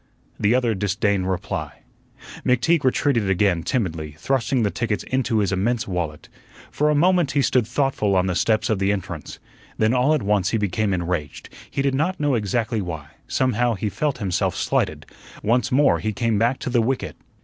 The other disdained reply. McTeague retreated again timidly, thrusting the tickets into his immense wallet. For a moment he stood thoughtful on the steps of the entrance. Then all at once he became enraged, he did not know exactly why; somehow he felt himself slighted. Once more he came back to the wicket.